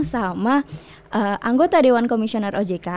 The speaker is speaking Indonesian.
sama anggota dewan komisioner ojk